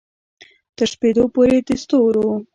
تر سپیدو پوري د ستورو